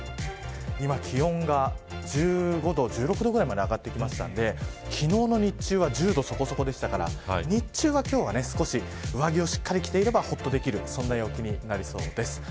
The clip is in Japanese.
今、気温が１５度、１６度くらいまで上がってきましたので昨日の日中は１０度そこそこでしたから日中は今日は、上着をしっかり着ていればほっとできる陽気になりそうです。